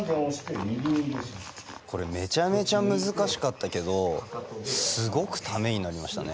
これめちゃめちゃ難しかったけどすごくためになりましたね。